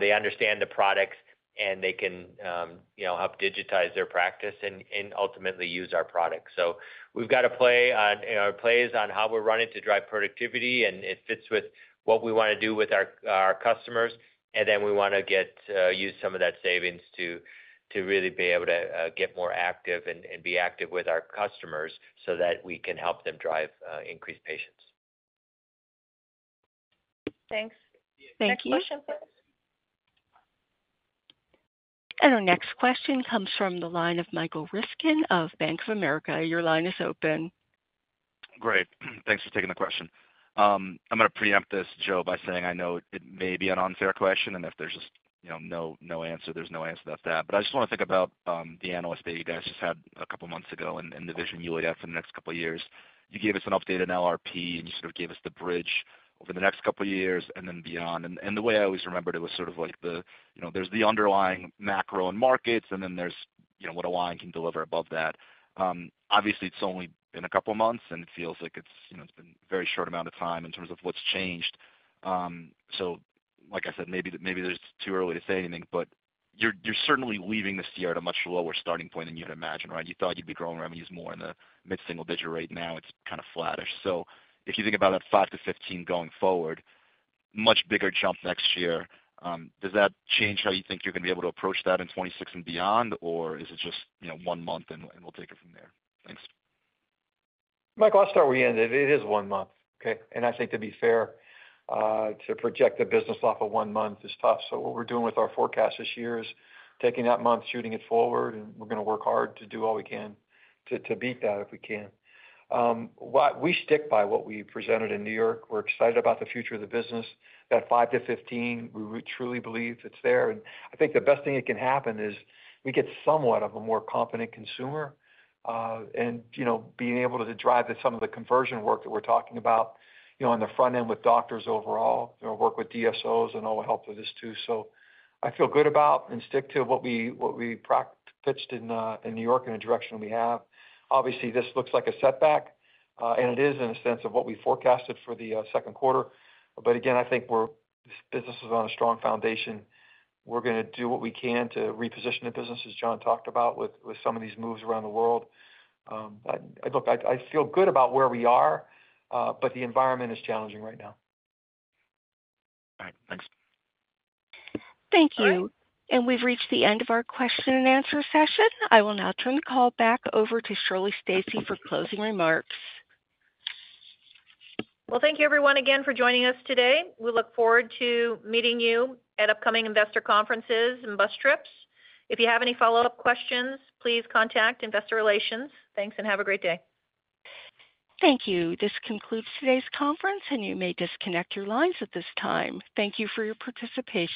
they understand the products, and they can help digitize their practice and ultimately use our products. We've got plays on how we're running to drive productivity and it fits with what we want to do with our customers. We want to use some of that savings to really be able to get more active and be active with our customers so that we can help them drive increased patients. Thanks. Our next question comes from the line of Michael Riskin of Bank of America. Your line is open. Great, thanks for taking the question. I'm going to preempt this, Joe, by saying, I know it may maybe an unfair question and if there's just no answer, there's no answer to that. I just want to think about. The analyst day you guys just had a couple months ago in division uaf in the next couple of years you gave us an updated LRP and you sort of gave us the bridge over the next couple years and then beyond. The way I always remembered it. Was sort of like the, you know, there's the underlying macro and markets and then there's what Align can deliver above that. Obviously it's only been a couple months and it feels like it's, you know, it's been a very short amount of time in terms of what's changed. Like I said, maybe it's too early to say anything but you're certainly leaving this year at a much lower starting point than you'd imagine. You thought you'd be growing revenues more in the mid single digit rate, now it's kind of flattish. If you think about that 5-15 going forward, much bigger jump next year. Does that change how you think you're going to be able to approach that in 2026 and beyond? Or is it just one month and. We'll take it from there. Thanks, Michael. I'll start where you ended. It is one month. Okay. I think to be fair to project the business off of one month is tough. What we're doing with our forecast this year is taking that month, shooting it forward. We're going to work hard to do all we can to beat that. If we can, we stick by what we presented in New York. We're excited about the future of the business, that 5-15, we truly believe it's there. I think the best thing that can happen is we get somewhat of a more confident consumer and, you know, being able to drive some of the conversion work that we're talking about, you know, on the front end with doctors overall, you know, work with DSOs and all the help of this too. I feel good about and stick to what we, what we pitched in New York in a direction we have. Obviously, this looks like a setback and it is in a sense of what we forecasted for the second quarter. Again, I think this business is on a strong foundation. We're going to do what we can to reposition the business. As John talked about with some of these moves around the world, I feel good about where we are, but the environment is challenging right now. All right, thanks. Thank you. We have reached the end of our question and answer session. I will now turn the call back over to Shirley Stacy for closing remarks. Thank you everyone again for joining us today. We look forward to meeting you at upcoming investor conferences and bus trips. If you have any follow up questions, please contact Investor Relations. Thanks and have a great day. Thank you. This concludes today's conference and you may disconnect your lines at this time. Thank you for your participation.